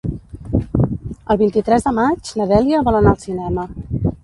El vint-i-tres de maig na Dèlia vol anar al cinema.